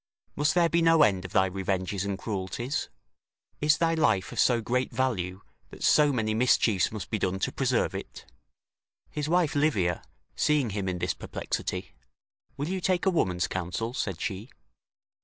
must there be no end of thy revenges and cruelties? Is thy life of so great value, that so many mischiefs must be done to preserve it?" His wife Livia, seeing him in this perplexity: "Will you take a woman's counsel?" said she.